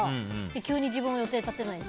急に自分は予定立てられないし。